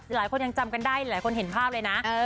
หลายคนยังจำกันได้หลายคนเห็นภาพเลยนะ